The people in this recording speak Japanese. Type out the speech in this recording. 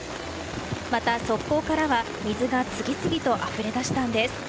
また、側溝からは水が次々とあふれ出したんです。